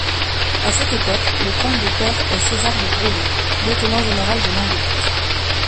À cette époque, le comte de Peyre est César de Grolée, lieutenant-général du Languedoc.